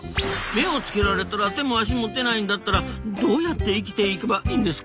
目を付けられたら手も足も出ないんだったらどうやって生きていけばいいんですか？